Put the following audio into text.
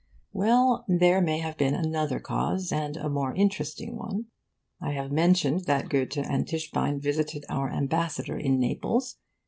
Well, there may have been another cause, and a more interesting one. I have mentioned that Goethe and Tischbein visited our Ambassador in Naples.